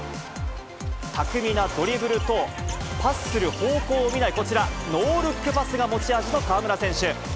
巧みなドリブルと、パスする方向を見ない、こちら、ノールックパスが持ち味の河村選手。